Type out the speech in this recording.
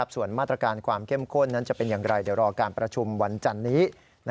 ส่วนมาตรการความเข้มข้นนั้นจะเป็นอย่างไรเดี๋ยวรอการประชุมวันจันนี้